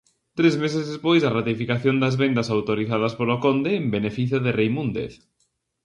-Tres meses despois da ratificación das vendas autorizadas polo conde en beneficio de Reimúndez...